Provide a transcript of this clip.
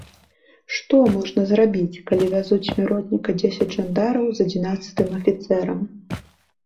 Што можна зрабіць, калі вязуць смяротніка дзесяць жандараў з адзінаццатым афіцэрам?